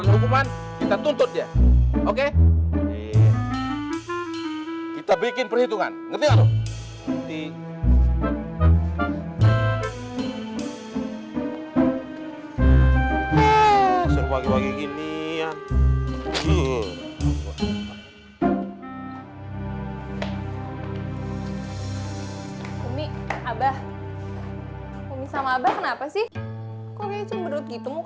lo mau ngapain sih rum